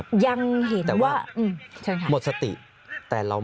สามารถรู้ได้เลยเหรอคะ